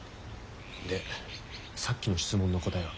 でさっきの質問の答えは？